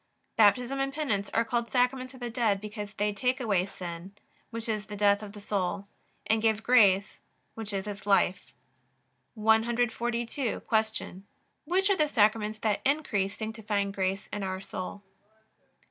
Baptism and Penance are called Sacraments of the dead, because they take away sin, which is the death of the soul, and give grace, which is its life. 142. Q. Which are the Sacraments that increase sanctifying grace in our soul?